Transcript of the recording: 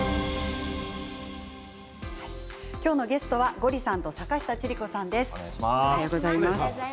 今日のゲストはゴリさんと坂下千里子さんです。